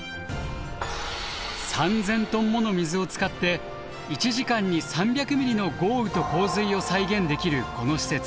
３，０００トンもの水を使って１時間に３００ミリの豪雨と洪水を再現できるこの施設。